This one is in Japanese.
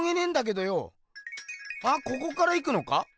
あここから行くのか？